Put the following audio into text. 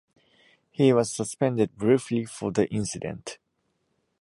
He was suspended briefly for the incident.